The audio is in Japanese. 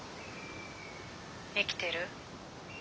生きてる？